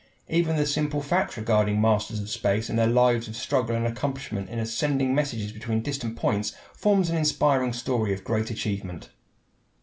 Even the simple facts regarding "Masters of Space" and their lives of struggle and accomplishment in sending messages between distant points form an inspiring story of great achievement.